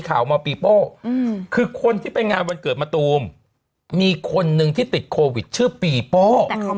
ขู่คนที่เป็นงานวันเกิดมาตรูมมีคนนึงที่ติดโควิดชื่ออืม